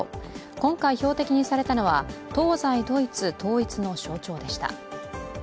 今回標的にされたのは東西ドイツ統一の象徴でした。